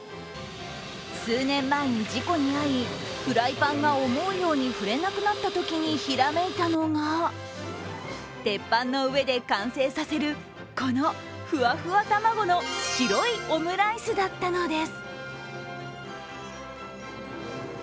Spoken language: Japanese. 数年前に事故に遭いフライパンが思うように振れなくなったときにひらめいたのが鉄板の上で完成させるこのふわふわ卵の白いオムライスだったのです。